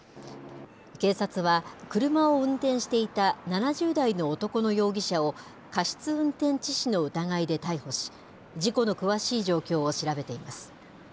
警察は、車を運転していた７０代の男の容疑者を過失運転致死の疑いで逮捕し、事故の詳しい状況を調べています。